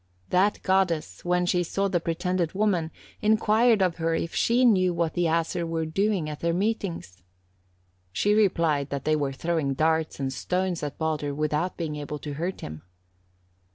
That goddess, when she saw the pretended woman, inquired of her if she knew what the Æsir were doing at their meetings. She replied, that they were throwing darts and stones at Baldur without being able to hurt him.